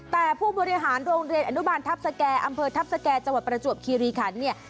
แต่ผู้บริหารโรงเรียนอนุบาลทัพสแก่อำเภอทัพสแก่จังหวัดประจวบคีรีคันเนี่ย